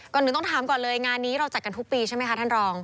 หนึ่งต้องถามก่อนเลยงานนี้เราจัดกันทุกปีใช่ไหมคะท่านรอง